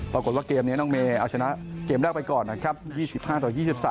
ปรากฏว่าเกมนี้น้องเมย์เอาชนะเกมแรกไปก่อนนะครับ๒๕ต่อ๒๓